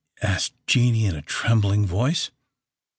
asked Jeanie, in a trembling voice.